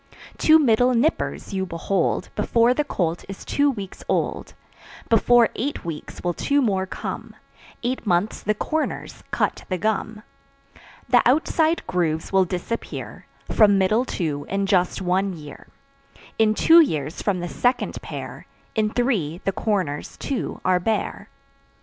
Two middle "nippers" you behold Before the colt is two weeks old, Before eight weeks will two more come; Eight months the "corners" cut the gum. The outside grooves will disappear From middle two in just one year. In two years, from the second pair; In three, the corners, too, are bare.